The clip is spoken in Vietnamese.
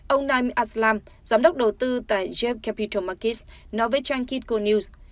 ông naim aslam giám đốc đầu tư tại jeb capital markets nói với trang kidco news